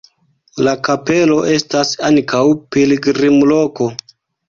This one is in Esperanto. La kapelo estas ankaŭ pilgrimloko.